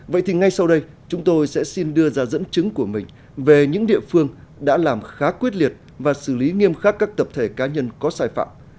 vậy thì ngay sau đây chúng tôi sẽ xin đưa ra dẫn chứng của mình về những địa phương đã làm khá quyết liệt và xử lý nghiêm khắc các tập thể cá nhân có sai phạm